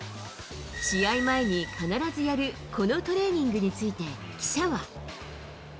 試合前に必ずやるこのトレーニングについて、記者は。